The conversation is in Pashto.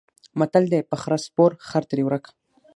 متل دی: په خره سپور خر ترې ورک.